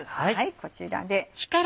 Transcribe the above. こちらで。